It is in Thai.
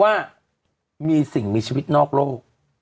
ว่ามีสิ่งมีชีวิตนอกโลก